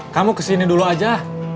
kamu kesini dulu aja